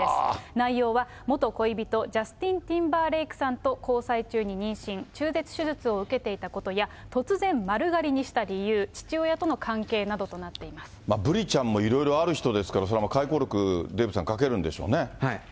内容は元恋人、ジャスティン・ティンバーレイクさんと交際中に妊娠、中絶手術を受けていたことや、突然丸刈りにした理由、父親との関係などとなブリちゃんもそれはもう、回顧録、デーブさん、書けるんでしょうね。